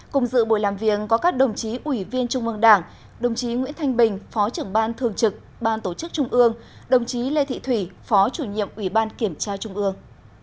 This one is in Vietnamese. cùng dự buổi làm việc có các đồng chí ủy viên trung mương đảng đồng chí nguyễn thanh bình phó trưởng ban thường trực ban tổ chức trung ương đồng chí lê thị thủy phó chủ nhiệm ủy ban kiểm tra trung ương